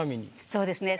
そうですね。